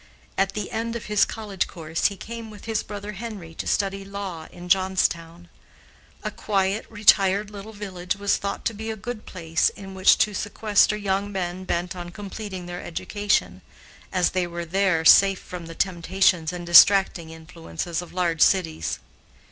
At the end of his college course, he came with his brother Henry to study law in Johnstown. A quiet, retired little village was thought to be a good place in which to sequester young men bent on completing their education, as they were there safe from the temptations and distracting influences of large cities.